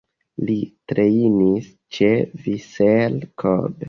Li trejnis ĉe Vissel Kobe.